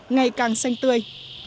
ngày càng xanh tươi